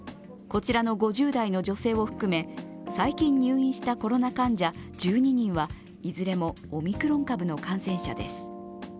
こちらの５０代の女性を含め、最近入院したコロナ患者１２人はいずれもオミクロン株の感染者です。